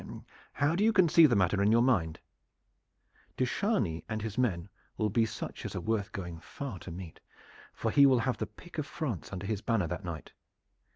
"How do you conceive the matter in your mind?" "De Chargny and his men will be such as are worth going far to meet, for he will have the pick of France under his banner that night.